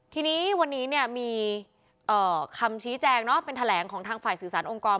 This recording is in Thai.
ทีนี้วันนี้มีคำชี้แจงเป็นแถลงของทางฝ่ายสื่อสารองค์กร